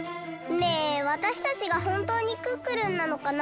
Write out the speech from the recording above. ねえわたしたちがほんとうにクックルンなのかな？